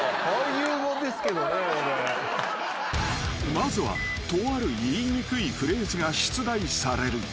［まずはとある言いにくいフレーズが出題される］